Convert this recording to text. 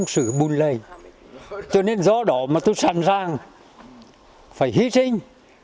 không sử bùn lây cho nên gió đỏ mà tôi sẵn sàng phải hy sinh